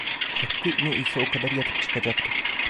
Hakkı ne ise o kadar yatıp çıkacaktı.